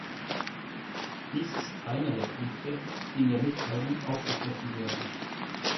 Dies ist einer der Punkte, die in der Mitteilung aufgegriffen werden.